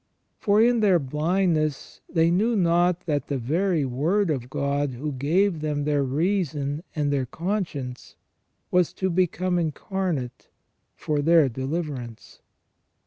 For in their blindness they knew not that the very Word of God who gave them their reason and their conscience, was to become incarnate for their deliverance.